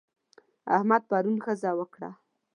احمد پرون ښځه وکړه.